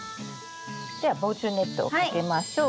では防虫ネットをかけましょう。